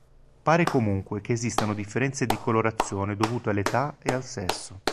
Pare comunque che esistano differenze di colorazione dovute all'età e al sesso.